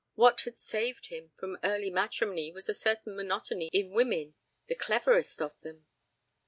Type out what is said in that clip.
What had saved him from early matrimony was a certain monotony in women, the cleverest of them.